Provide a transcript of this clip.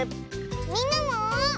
みんなも。